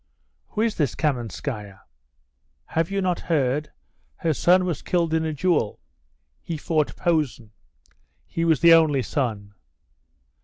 "Who is this Kamenskaya?" "Have you not heard? Her son was killed in a duel. He fought Posen. He was the only son.